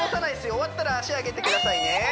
終わったら脚上げてくださいね